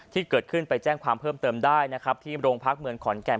ที่เกิดขึ้นไปแจ้งความเพิ่มเติมได้นะครับที่โรงพักเมืองขอนแก่น